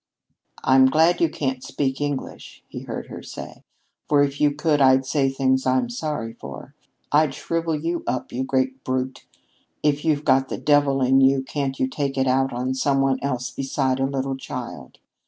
"I'm glad you can't speak English," he heard her say, "for if you could I'd say things I'd be sorry for. I'd shrivel you up, you great brute. If you've got the devil in you, can't you take it out on some one else beside a little child?